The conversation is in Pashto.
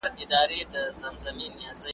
بلبلان د خپل بهار یو ګوندي راسي .